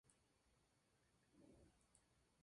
Fue la novena expulsada.